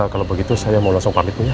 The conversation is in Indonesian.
kalau begitu saya mau langsung pamit ya